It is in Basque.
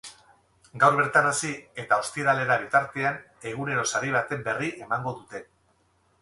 Gaur bertan hasi eta ostiralera bitartean, egunero sari baten berri emango dute.